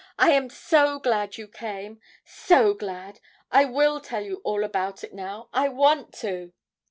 I am so glad you came so glad. I will tell you all about it now. I want to!'